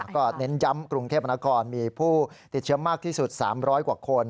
ก็เน้นย้ำกรุงเทพนครมีผู้ติดเชื้อมากที่สุด๓๐๐กว่าคน